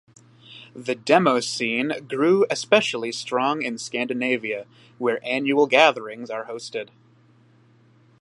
The demoscene grew especially strong in Scandinavia, where annual gatherings are hosted.